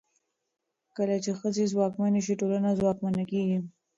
کله چې ښځې ځواکمنې شي، ټولنه ځواکمنه کېږي.